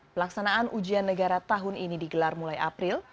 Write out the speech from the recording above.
pelaksanaan ujian negara tahun ini digelar mulai april